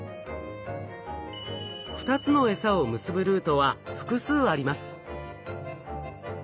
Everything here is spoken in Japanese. ２つのえさを結ぶルートは複数あります。